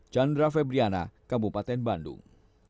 chandra febriana kabupaten bandung